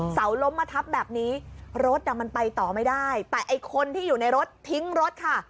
เสาล้มมาทับแบบนี้รถมันไปต่อไม่ได้แต่ไอ้คนที่อยู่ในรถทิ้งรถค่ะ